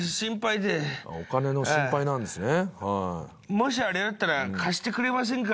もしあれだったら貸してくれませんか？